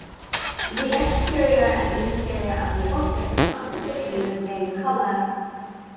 The exterior and interior of the objects are typically the same colour.